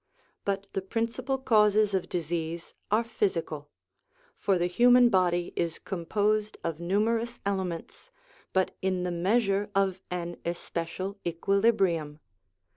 But the principal causes of disease are physical ; for the human body is composed of numerous elements, but in the measure of an especial equilibrium.